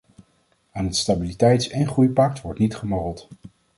Aan het stabiliteits- en groeipact wordt niet gemorreld.